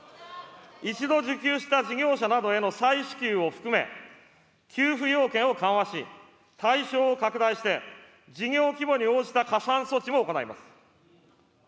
一度受給した事業者などへの再支給を含め、給付要件を緩和し、対象を拡大して、事業規模に応じた加算措置も行います。